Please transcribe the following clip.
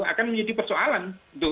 akan menjadi persoalan